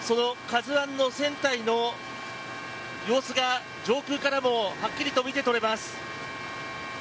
その「ＫＡＺＵ１」の船体の様子が上空からもはっきりと見て取れます。